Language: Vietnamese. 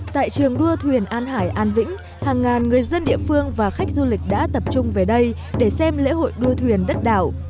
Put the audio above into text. tại trường đua thuyền an hải an vĩnh hàng ngàn người dân địa phương và khách du lịch đã tập trung về đây để xem lễ hội đua thuyền đất đảo